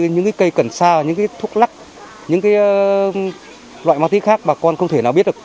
những cây cần sa những thuốc lắc những loại ma túy khác bà con không thể nào biết được